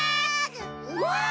うわ！